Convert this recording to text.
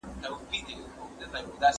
زه کولای سم کتابونه وړم؟!